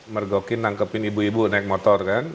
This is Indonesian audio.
mergokin nangkepin ibu ibu naik motor kan